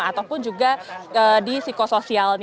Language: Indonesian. ataupun juga di psikologi